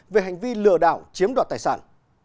về hành vi lừa đảo chiếm đoạt tài sản